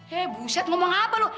hei buset ngomong apa loh